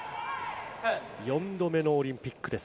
４度目のオリンピックです。